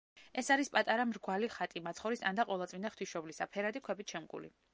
ეს არის პატარა მრგვალი ხატი მაცხოვრის ანდა ყოვლადწმიდა ღვთისმშობლისა, ფერადი ქვებით შემკული.